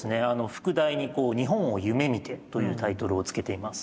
副題に「日本を夢みて」というタイトルをつけています。